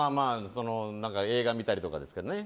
映画見たりとかですかね。